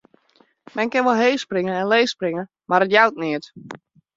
Men kin wol heech springe en leech springe, mar it jout neat.